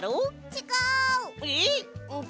ちがうの？